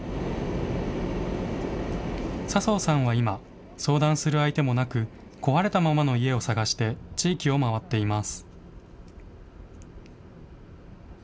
笹生さんは今相談する相手もなく壊れたままの家を探して地域を回っています。